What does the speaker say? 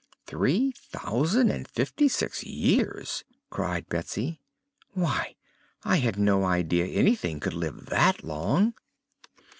"Three thousand and fifty six years!" cried Betsy. "Why, I had no idea anything could live that long!"